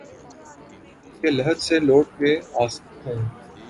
کہ لحد سے لوٹ کے آسکھوں